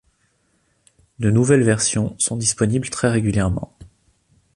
De nouvelles versions sont disponibles très régulièrement.